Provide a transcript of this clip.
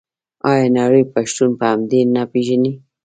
آیا نړۍ پښتون په همدې نه پیژني؟